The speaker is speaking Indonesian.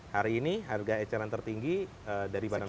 hari ini harga eceran tertinggi dari badan